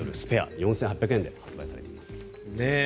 ４８００円で発売されています。